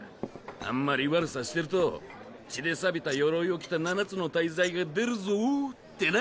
あんまり悪さしてると血でびた鎧を着た七つの大罪が出るぞってな。